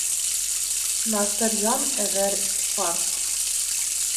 Насыръян ғәр., фарс.